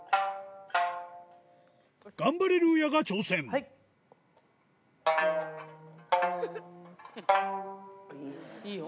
ガンバレルーヤが挑戦いいよ。